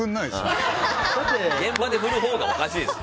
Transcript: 現場で振る方がおかしいですよ。